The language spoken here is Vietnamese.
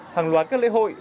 hàng loạt các lễ hội